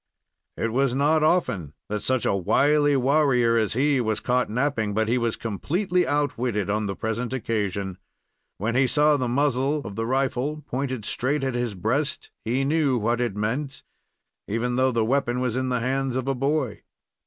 It was not often that such a wily warrior as he was caught napping, but he was completely outwitted on the present occasion. When he saw the muzzle of the rifle pointed straight at his breast, he knew what it meant, even though the weapon was in the hands of a boy.